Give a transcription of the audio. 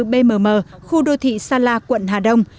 tòa trung cư bmm khu đô thị sa la quận hà đông